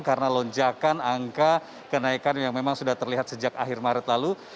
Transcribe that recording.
karena lonjakan angka kenaikan yang memang sudah terlihat sejak akhir maret lalu